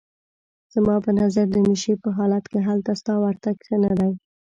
زما په نظر د نشې په حالت کې هلته ستا ورتګ ښه نه دی.